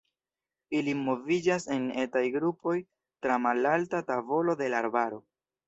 Ili moviĝas en etaj grupoj tra malalta tavolo de la arbaro.